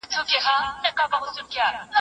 که هر څوک خپله دنده ترسره کړي ستونزې به کمې سي.